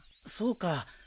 そうか。